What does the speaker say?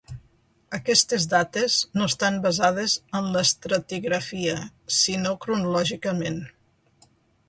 Aquestes dates no estan basades en l'estratigrafia sinó cronològicament.